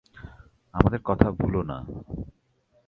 আমাদের কথা ভুলো না।